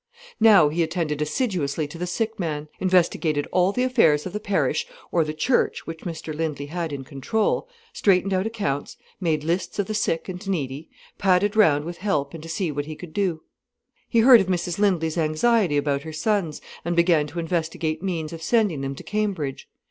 Now he attended assiduously to the sick man, investigated all the affairs of the parish or the church which Mr Lindley had in control, straightened out accounts, made lists of the sick and needy, padded round with help and to see what he could do. He heard of Mrs Lindley's anxiety about her sons, and began to investigate means of sending them to Cambridge.